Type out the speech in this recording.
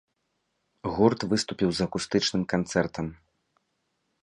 Гурт выступіў з акустычным канцэртам.